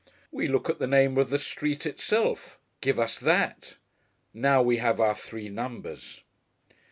We look at the name of the street itself. 'Give us that.' Now, we have our three numbers.